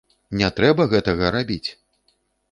Не трэба гэтага рабіць!